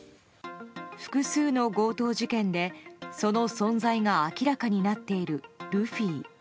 複数の強盗事件でその存在が明らかになっているルフィ。